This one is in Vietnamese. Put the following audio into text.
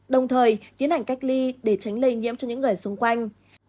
đồng thời tiến hành cách ly để tránh lây nhiễm cho những người xung quanh